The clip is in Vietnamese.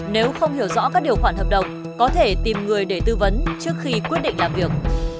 nếu không hiểu rõ các điều khoản hợp đồng có thể tìm người để tư vấn trước khi quyết định làm việc